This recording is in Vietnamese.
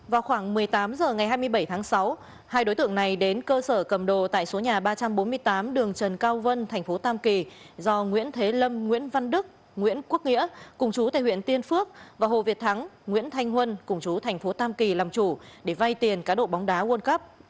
vào khoảng một mươi tám h ngày hai mươi bảy tháng sáu hai đối tượng này đến cơ sở cầm đồ tại số nhà ba trăm bốn mươi tám đường trần cao vân thành phố tam kỳ do nguyễn thế lâm nguyễn văn đức nguyễn quốc nghĩa cùng chú tại huyện tiên phước và hồ việt thắng nguyễn thanh huân cùng chú thành phố tam kỳ làm chủ để vay tiền cá độ bóng đá world cup